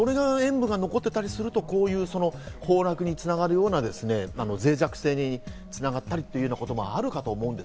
それの塩分が残ってたりすると、こういう崩落に繋がるような脆弱性に繋がったりということもあるかと思うんです。